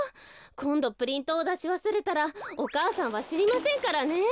こんどプリントをだしわすれたらお母さんはしりませんからね。